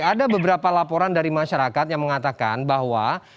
ada beberapa laporan dari masyarakat yang mengatakan bahwa